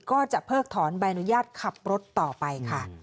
เพิกถอนใบอนุญาตขับรถต่อไปค่ะ